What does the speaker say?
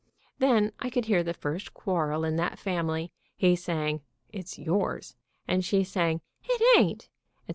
Then I could hear the first quarrel in that family, he saying, "It's yours," and she saying, "It ain't," etc.